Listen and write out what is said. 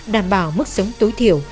đảm bảo mức sống tối thiểu